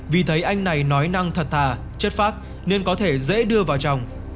vì thấy anh này nói năng thật thà chất phác nên có thể dễ đưa vào chồng